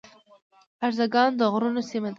ارزګان د غرونو سیمه ده